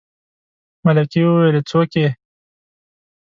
ملکې وويلې څوک يې.